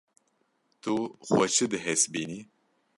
Tu xwe çi dihesibînî?